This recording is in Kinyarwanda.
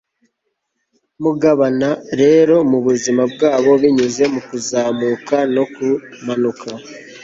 mugabana rero mubuzima bwabo, binyuze mukuzamuka no kumanuka